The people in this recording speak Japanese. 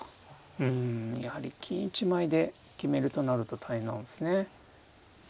うんやはり金１枚で決めるとなると大変なんですね。